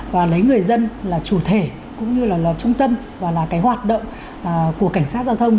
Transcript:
và lấy người dân là chủ thể cũng như là trung tâm và là cái hoạt động của cảnh sát giao thông